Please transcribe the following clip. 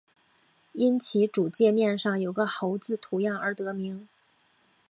因其主界面上有个猴子图样而得名。